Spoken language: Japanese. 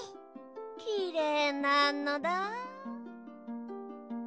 きれいなのだ。